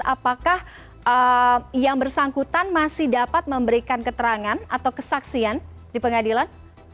apakah yang bersangkutan masih dapat memberikan keterangan atau kesaksian di pengadilan